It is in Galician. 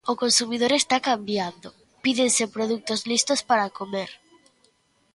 O consumidor está cambiando, pídense produtos listos para comer.